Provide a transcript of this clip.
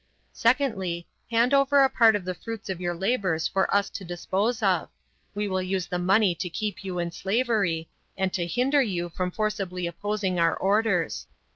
Secondly, hand over a part of the fruits of your labors for us to dispose of we will use the money to keep you in slavery, and to hinder you from forcibly opposing our orders.